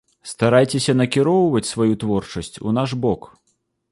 Старайцеся накіроўваць сваю творчасць у наш бок.